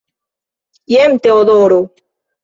Jen Teodoro!